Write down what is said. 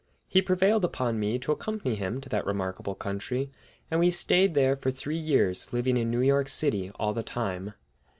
He prevailed upon me to accompany him to that remarkable country; and we stayed there for three years, living in New York City all the time.